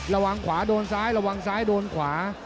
ระวังขวาโดนซ้ายระวังซ้ายโดนขวา